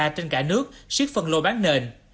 trên cả nước siết phần lô bán nền